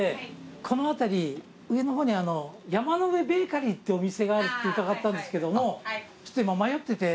この辺り上の方に山の上ベーカリーってお店があるって伺ったんですけどもちょっと今迷ってて。